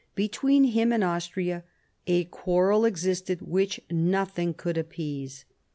Between him and Austria a quarrel existed which nothing could appease.